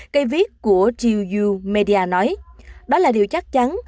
cây viết của jeeu media nói đó là điều chắc chắn